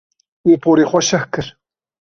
Wê porê xwe şeh kir.